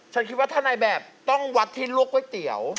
ฉันคิดว่าถ้าอะไรแบบต้องวัดที่ร่วงไก่เเตี๋ยว